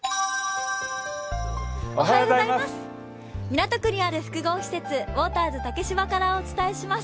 港区にある複合施設、ウォーターズ竹芝からお伝えします。